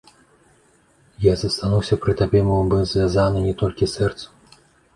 Я застануся пры табе, бо мы звязаны не толькі сэрцам.